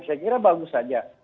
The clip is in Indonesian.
saya kira bagus saja